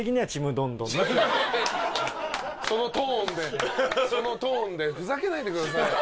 そのトーンでそのトーンでふざけないでください。